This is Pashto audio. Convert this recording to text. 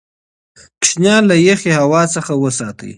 ماشومان له یخې هوا څخه وساتئ.